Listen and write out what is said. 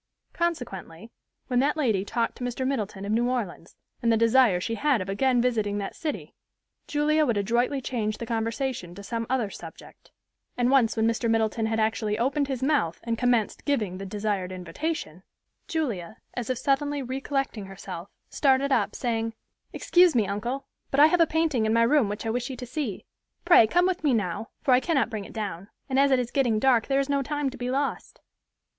Consequently, when that lady talked to Mr. Middleton of New Orleans, and the desire she had of again visiting that city, Julia would adroitly change the conversation to some other subject; and once when Mr. Middleton had actually opened his mouth and commenced giving the desired invitation, Julia, as if suddenly recollecting herself, started up, saying, "Excuse me, uncle, but I have a painting in my room which I wish you to see. Pray, come with me now, for I cannot bring it down, and as it is getting dark, there is no time to be lost."